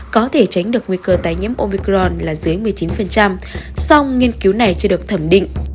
có thể tránh được nguy cơ tái nhiễm omicron là dưới một mươi chín song nghiên cứu này chưa được thẩm định